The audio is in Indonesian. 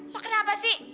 lu kenapa sih